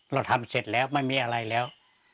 เราทำเสร็จแล้วไม่มีอะไรแล้ว